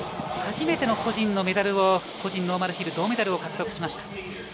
初めての個人のメダルを個人ノーマルヒル、銅メダルを獲得しました。